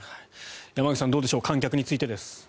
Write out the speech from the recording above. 山口さん、どうでしょう観客についてです。